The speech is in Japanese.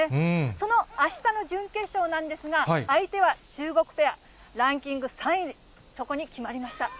そのあしたの準決勝なんですが、相手は中国ペア、ランキング３位、そこに決まりました。